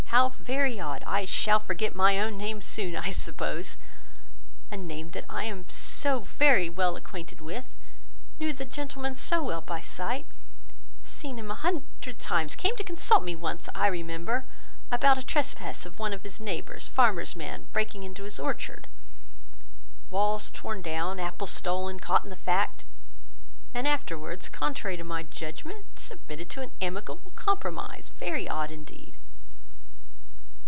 how very odd! I shall forget my own name soon, I suppose. A name that I am so very well acquainted with; knew the gentleman so well by sight; seen him a hundred times; came to consult me once, I remember, about a trespass of one of his neighbours; farmer's man breaking into his orchard; wall torn down; apples stolen; caught in the fact; and afterwards, contrary to my judgement, submitted to an amicable compromise. Very odd indeed!"